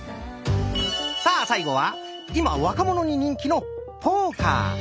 さあ最後は今若者に人気の「ポーカー」。